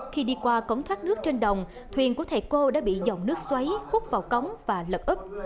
khi đi qua cống thoát nước trên đồng thuyền của thầy cô đã bị dòng nước xoáy hút vào cống và lật ức